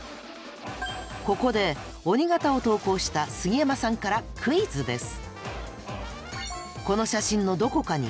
ここで鬼形を投稿した杉山さんからクイズです。